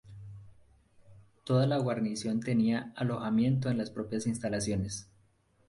Toda la guarnición tenía alojamiento en las propias instalaciones.